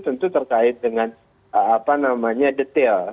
tentu terkait dengan detail